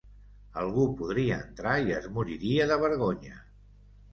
Algú podria entrar i es moriria de vergonya.